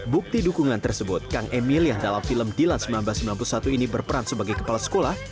bukti dukungan tersebut kang emil yang dalam film dilan seribu sembilan ratus sembilan puluh satu ini berperan sebagai kepala sekolah